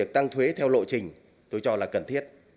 theo lộ trình tôi cho là cần thiết